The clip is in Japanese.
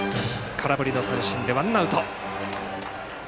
空振りの三振でワンアウト。